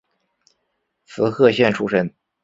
滋贺县出身。